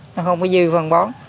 nó không có dư phân bón